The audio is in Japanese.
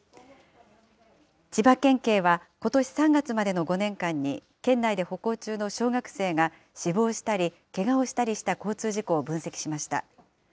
千葉県警は、ことし３月までの５年間に、県内で歩行中の小学生が死亡したり、けがをしたりした交通事故を分析しました。